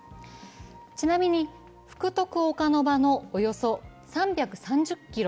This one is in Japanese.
ちなみに福徳岡ノ場のおよそ３３０ｋｍ